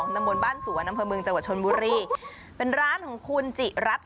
ตำบลบ้านสวนอำเภอเมืองจังหวัดชนบุรีเป็นร้านของคุณจิรัตน์